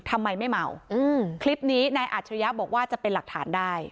ทำไมไม่เมาอืมคลิปนี้นายอัจฉริยะบอกว่าจะเป็นหลักฐานได้